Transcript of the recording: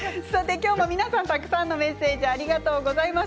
今日も皆さんからたくさんのメッセージありがとうございます。